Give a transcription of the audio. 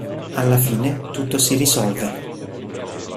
Alla fine, tutto si risolve.